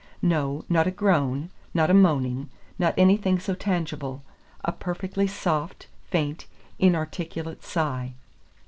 No, not a groan, not a moaning, not anything so tangible, a perfectly soft, faint, inarticulate sigh.